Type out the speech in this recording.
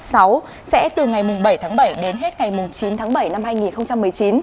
sẽ từ ngày bảy tháng bảy đến hết ngày chín tháng bảy năm hai nghìn một mươi chín